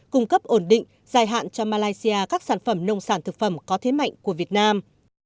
cung cấp ổn định dài hạn cho malaysia các sản phẩm nông sản thực phẩm có thế mạnh của việt nam